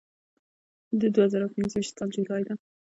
د دوه زره پنځه ویشتم کال جولای ده.